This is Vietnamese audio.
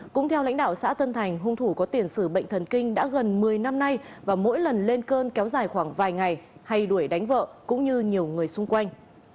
cũng theo lãnh đạo xã tân thành hung thủ có tiền sử bệnh thần kinh đã gần một mươi năm nay và mỗi lần lên cơn kéo dài khoảng vài ngày hay đuổi đánh vợ cũng như nhiều người xung quanh